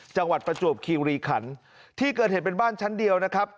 ประจวบคิวรีขันที่เกิดเหตุเป็นบ้านชั้นเดียวนะครับ